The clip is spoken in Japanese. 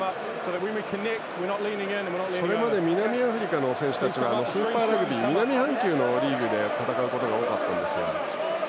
それまで南アフリカの選手たちはスーパーラグビー南半球のリーグで戦うことが多かったんですが。